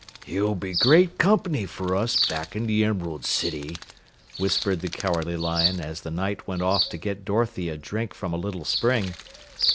"He'll be great company for us back in the Emerald City," whispered the Cowardly Lion as the Knight went off to get Dorothy a drink from a little spring.